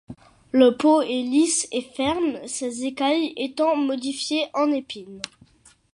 La peau est lisse et ferme, ses écailles étant modifiées en épines.